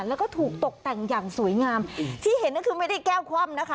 แล้วก็ถูกตกแต่งอย่างสวยงามที่เห็นก็คือไม่ได้แก้วคว่ำนะคะ